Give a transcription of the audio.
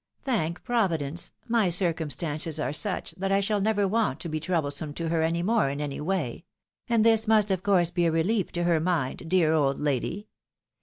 Thank Providence I my circumstances are such, that I shall never want to be troublesome to her any more in any ■way ; and this must, of course, be a rehef to her mind, dear old lady.